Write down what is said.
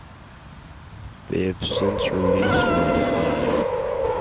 They have since released Let It Die.